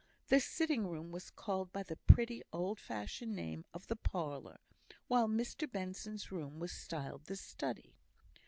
The sitting room was called by the pretty, old fashioned name of the parlour, while Mr Benson's room was styled the study.